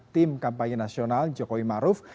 tim kampanye nasional jokowi maruf